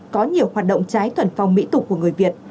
có nhiều hoạt động trái thuần phong mỹ tục của người việt